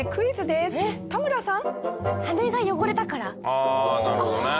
ああなるほどね。